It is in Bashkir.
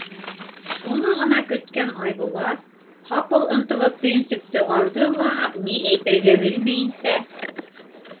Шуны ғына көткән Айбулат ҡапыл ынтылып төйөнсөктө алды ла, ни әйтергә белмәйенсә: